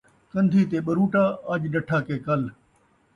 کن٘دھی تے ٻروٹا ، اڄ ݙٹھا کہ کل